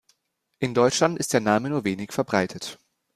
In Deutschland ist der Name nur wenig verbreitet.